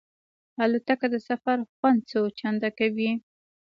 الوتکه د سفر خوند څو چنده کوي.